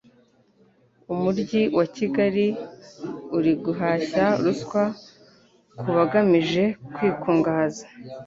umuryi wa Kigali uri guhashya ruswa kubagamije kwikungahaza